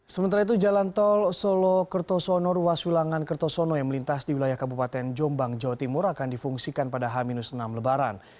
sementara itu jalan tol solo kertosono ruas wilangan kertosono yang melintas di wilayah kabupaten jombang jawa timur akan difungsikan pada h enam lebaran